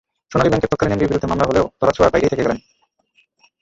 সোনালী ব্যাংকের তৎকালীন এমডির বিরুদ্ধে মামলা হলেও ধরাছোঁয়ার বাইরেই থেকে গেলেন।